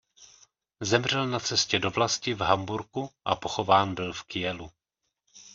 Zemřel na cestě do vlasti v Hamburku a pochován byl v Kielu.